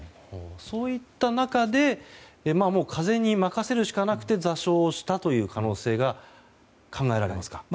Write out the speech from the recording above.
そういった中で風に任せるしかなくて座礁したという可能性が考えられますか。